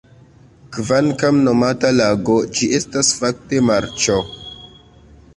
Kvankam nomata lago, ĝi estas fakte marĉo.